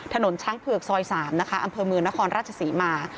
ถนนช้างเผือกซอย๓อมมรรศรีมา